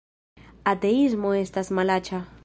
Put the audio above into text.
Ateismo estas malaĉa